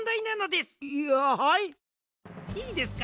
いいですか？